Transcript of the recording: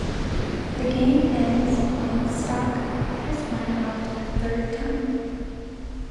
The game ends when the stock has run out a third time.